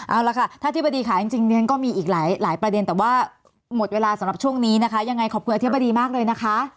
เอาละค่ะท่านอธิบดีค่ะจริงฉันก็มีอีกหลายประเด็นแต่ว่าหมดเวลาสำหรับช่วงนี้นะคะยังไงขอบคุณอธิบดีมากเลยนะคะ